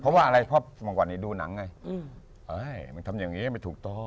เพราะว่าอะไรเมื่อวันดีดูหนังไง